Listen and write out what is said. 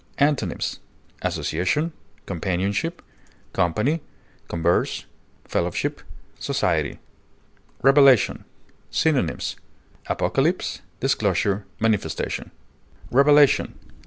Antonyms: association, companionship, company, converse, fellowship, society. REVELATION. Synonyms: apocalypse, disclosure, manifestation. Revelation (L.